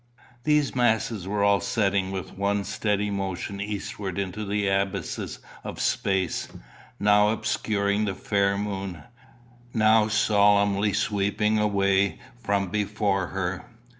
These masses were all setting with one steady motion eastward into the abysses of space; now obscuring the fair moon, now solemnly sweeping away from before her.